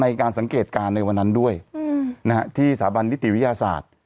ในการสังเกตการณ์ในวันนั้นด้วยที่สถาบันนิติวิทยาศาสตร์